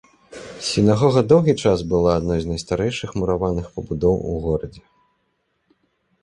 Сінагога доўгі час была адной з найстарэйшых мураваных пабудоў у горадзе.